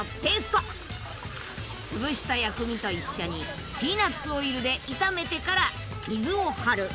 潰した薬味と一緒にピーナッツオイルで炒めてから水を張る。